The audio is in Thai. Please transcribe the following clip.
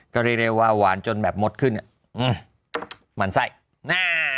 ก็เร็ววาวจนแบบหมดขึ้นอื้อหมั่นไส้น่า